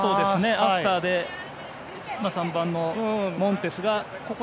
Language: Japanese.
アフターで３番のモンテスが。